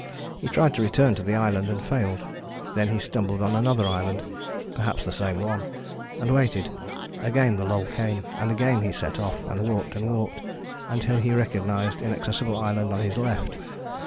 He tried to return to the island and failed: then he stumbled on another island, perhaps the same one, and waited. Again the lull came, and again he set off, and walked and walked, until he recognized Inaccessible Island on his left.